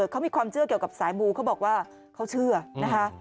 เขามีความเชื่อเกี่ยวกับสายมูเขาบอกว่าเขาเชื่อนะคะ